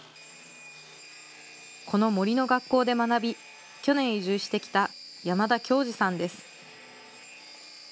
この森の学校で学び、去年移住してきた山田恭嗣さんです。